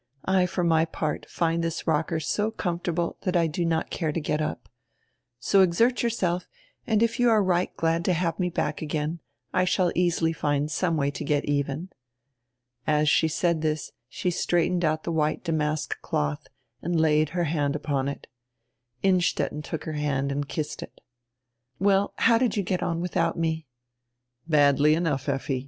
I for my part find this rocker so comfortable that I do not care to get up. So exert yourself and if you are right glad to have me back again I shall easily find some way to get even." As she said this she straightened out tire white damask cloth and laid her hand upon it. Innstetten took her hand and kissed it "Well, how did you get on without me?" "Badly enough, Efli."